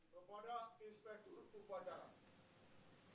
kepada inspektur upacara